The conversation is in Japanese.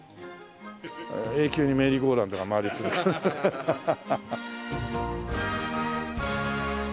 永久にメリーゴーラウンドが回り続けるハハハハ！